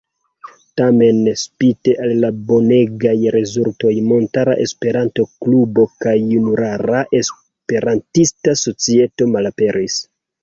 Tamen, spite al la bonegaj rezultoj, Montara Esperanto-Klubo kaj Junulara Esperantista Societo malaperis.